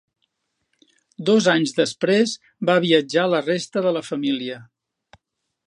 Dos anys després va viatjar la resta de la família.